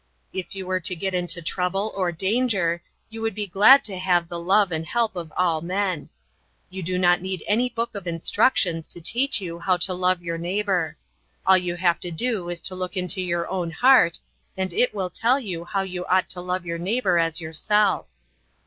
If you were to get into trouble or danger, you would be glad to have the love and help of all men. You do not need any book of instructions to teach you how to love your neighbor. All you have to do is to look into your own heart, and it will tell you how you ought to love your neighbor as yourself.